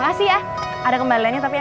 udah banyak bantuin saya